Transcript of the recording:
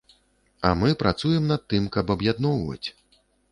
А мы працуем над тым, каб аб'ядноўваць.